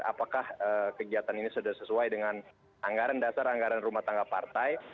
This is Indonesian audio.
apakah kegiatan ini sudah sesuai dengan anggaran dasar anggaran rumah tangga partai